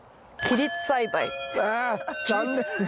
あ残念！